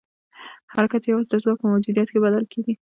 حرکت یوازې د ځواک په موجودیت کې بدل کېږي.